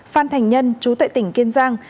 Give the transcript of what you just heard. phan thành nhân chú tệ tỉnh kiên giang